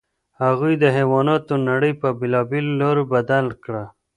هغوی د حیواناتو نړۍ په بېلابېلو لارو بدل کړه.